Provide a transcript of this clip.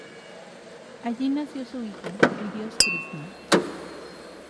Allí nació su hijo, el dios Krisná.